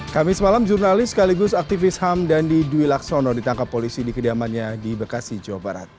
kamis malam jurnalis sekaligus aktivis ham dandi dwi laksono ditangkap polisi di kediamannya di bekasi jawa barat